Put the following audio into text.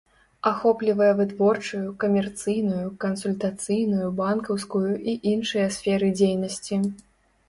Ахоплівае вытворчую, камерцыйную, кансультацыйную, банкаўскую і іншыя сферы дзейнасці.